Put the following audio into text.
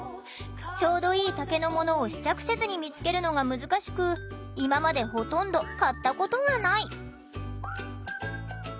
ちょうどいい丈のものを試着せずに見つけるのが難しく今までほとんど買ったことがない。